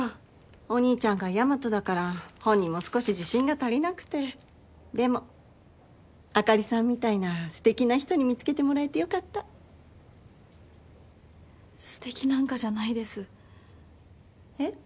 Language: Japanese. お兄ちゃんが大和だから本人も少し自信が足りなくてでもあかりさんみたいなステキな人に見つけてもらえてよかったステキなんかじゃないですえっ？